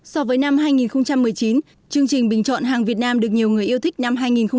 so với năm hai nghìn một mươi chín chương trình bình chọn hàng việt nam được nhiều người yêu thích năm hai nghìn một mươi chín